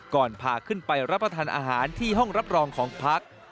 ก่อนพาขึ้นไปรับประทานอาหารที่ห้องรับรองของพัก